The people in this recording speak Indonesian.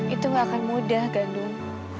itu nggak akan mudah gandung